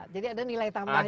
jadi ada nilai tambahnya ya